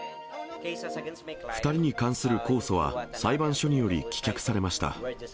２人に関する公訴は、裁判所により棄却されました。